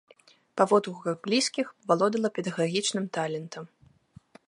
Па водгуках блізкіх, валодала педагагічным талентам.